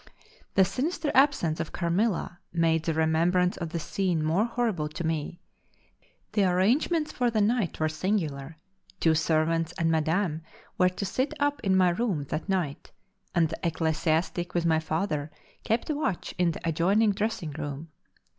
The sinister absence of Carmilla made the remembrance of the scene more horrible to me. The arrangements for the night were singular. Two servants, and Madame were to sit up in my room that night; and the ecclesiastic with my father kept watch in the adjoining dressing room.